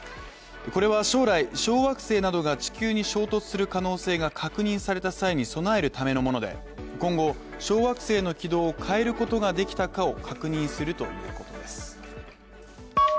これは将来、小惑星などが地球に衝突する可能性が確認された際に供えるためのもので、今後、小惑星の軌道を変えることをできたかを確認するということです。